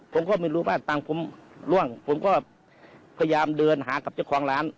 ผมก็ไม่รู้ว่าตังค์ผมร่วงผมก็พยายามเดินหากับเจ้าของร้าน